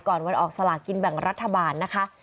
วันออกสลากินแบ่งรัฐบาลนะคะ